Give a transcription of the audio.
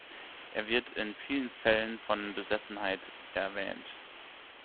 Er wird in vielen Fällen von Besessenheit erwähnt.